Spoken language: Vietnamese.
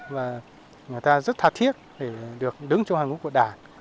và người ta rất thà thiết để được đứng trong hành quốc của đảng